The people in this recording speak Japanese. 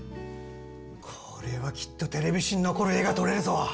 これはきっとテレビ史に残る画が撮れるぞ。